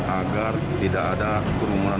agar tidak ada kerumunan